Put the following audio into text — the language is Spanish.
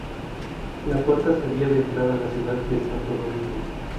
La puerta servía de entrada a la ciudad de Santo Domingo.